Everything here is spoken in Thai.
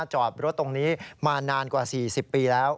จอดรถตรงนี้มานานกว่า๔๐ปีแล้ว